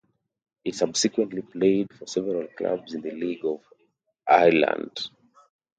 He subsequently played for several clubs in the League of Ireland.